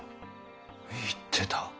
言ってた！